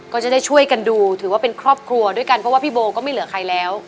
ก็จะได้ช่วยกันดูถือว่าเป็นครอบครัวด้วยกันเพราะว่าพี่โบก็ไม่เหลือใครแล้ว